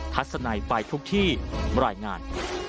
ทัศนัยไปทุกที่รายงาน